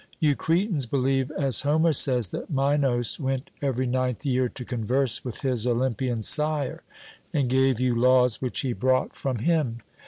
You Cretans believe, as Homer says, that Minos went every ninth year to converse with his Olympian sire, and gave you laws which he brought from him.